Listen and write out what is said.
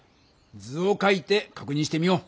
図をかいてかくにんしてみよう。